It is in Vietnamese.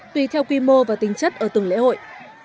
tùy theo quy mô và tính chất ở từng lễ hội